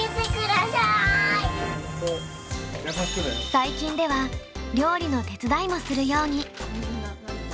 最近では料理の手伝いもするように。